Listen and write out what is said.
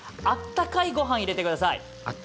あったかいごはん入れてください。